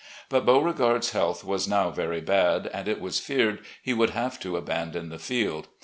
But Beamegard's health was now very bad, and it was feared he would have to abandon the field.